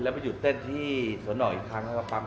แล้วไปหยุดเต้นที่สนอีกครั้งแล้วก็ปั๊บ